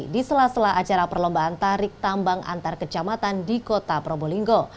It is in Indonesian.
di sela sela acara perlombaan tarik tambang antar kecamatan di kota probolinggo